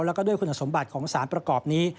แล้วก็ด้วยคุณสมบัติของสารประกอบนี้